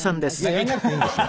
やらなくていいんですよ。